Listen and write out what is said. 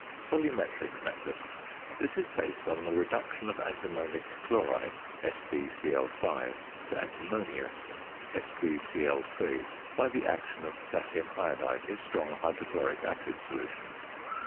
VOLUMETRIC METHOD. This is based on the reduction of antimonic chloride (SbCl_) to antimonious (SbCl_) by the action of potassium iodide in strong hydrochloric acid solution.